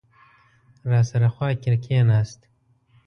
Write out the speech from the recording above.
راسره خوا کې کېناست.